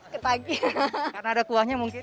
karena ada kuahnya mungkin